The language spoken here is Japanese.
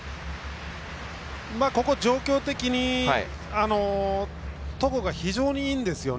ここは状況的に戸郷が非常にいいんですよね